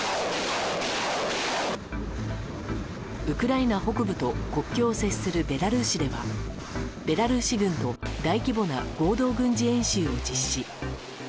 ウクライナ北部と国境を接するベラルーシではベラルーシ軍と大規模な合同軍事演習を実施。